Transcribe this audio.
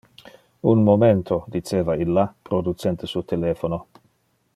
"Un momento", diceva illa, producente su telephono.